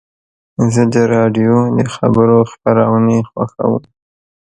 زه د راډیو د خبرو خپرونې خوښوم.